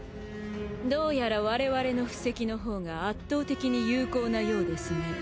どうやら我々の布石のほうが圧倒的に有効なようですね。